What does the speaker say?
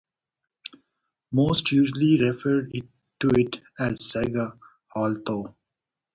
Most usually referred to it as Sage Hall though.